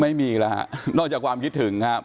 ไม่มีแล้วฮะนอกจากความคิดถึงครับ